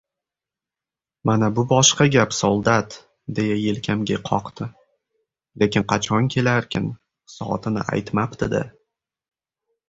— Mana bu boshqa gap, soldat!- deya yelkamga qoqdi.- Lekin qachon kelarkin? Soatini aytmabdi-da!